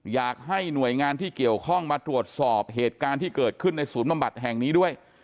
อยากให้หน่วยงานที่เกี่ยวข้องมาตรวจสอบเหตุการณ์ที่เกิดขึ้นในศูนย์บำบัดแห่งนี้ด้วย